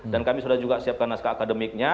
dan kami sudah juga siapkan naskah akademiknya